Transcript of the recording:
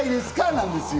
なんですよ！